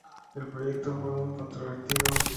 El proyecto fue muy controvertido.